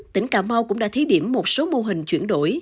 tỉnh cà mau cũng đã thí điểm một số mô hình chuyển đổi